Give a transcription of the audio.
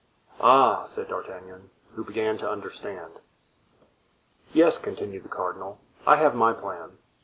"Ah!" said D'Artagnan, who began to understand. "Yes," continued the cardinal. "I have my plan.